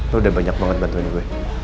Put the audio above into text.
lo udah banyak banget bantuin gue